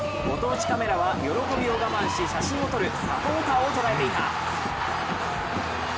ご当地ＣＡＭは喜びを我慢し写真を撮るサポーターを捉えていた。